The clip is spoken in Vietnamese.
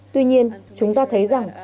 tuy nhiên chúng ta thấy rằng